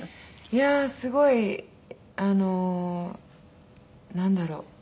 いやあすごいあのなんだろう？